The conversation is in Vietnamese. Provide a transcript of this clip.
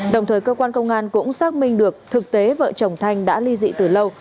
đồng thời cơ quan công an cũng xác minh được thực tế vợ chồng thanh đã ly dị từ lâu